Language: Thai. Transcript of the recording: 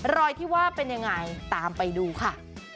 รอยที่ว่าเป็นยังไงตามไปดูค่ะ